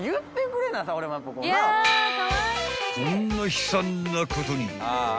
［こんな悲惨なことに］